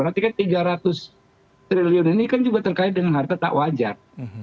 kalau dengan nilai hanya tiga ratus triliun ini kan juga terkait dengan harta tak wajar